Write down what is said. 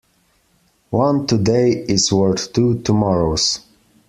One today is worth two tomorrows.